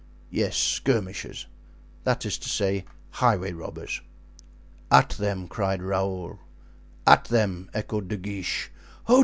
"Yes, skirmishers; that is to say, highway robbers." "At them!" cried Raoul. "At them!" echoed De Guiche. "Oh!